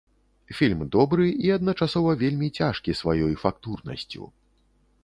Фільм добры і адначасова вельмі цяжкі сваёй фактурнасцю.